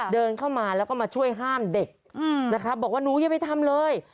เดินเข้ามาแล้วก็มาช่วยห้ามเด็กนะครับบอกว่าหนูอย่าไปทำเลย